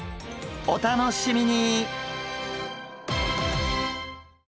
お楽しみに！